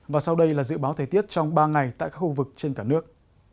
và sau đây là dự báo thời tiết trong ba ngày tại khu vực trên cả nước